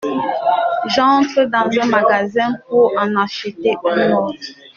J’entre dans un magasin pour en acheter un autre…